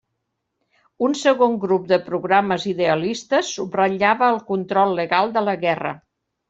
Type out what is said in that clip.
Un segon grup de programes idealistes subratllava el control legal de la guerra.